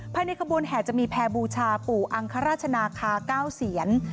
ภายในขบวนแห่จะมีแพร่บูชาปู่อังคราชนาคา๙เสียน